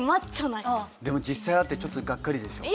でも実際会ってちょっとがっかりでしょ？